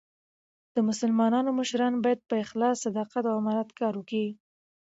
د مسلمانانو مشران باید په اخلاص، صداقت او امانت کار وکي.